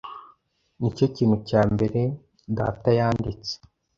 Nicyo kintu cya mbere data yanditse.